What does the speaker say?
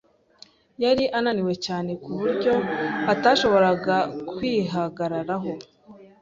Yari ananiwe cyane ku buryo atashoboraga kwihagararaho.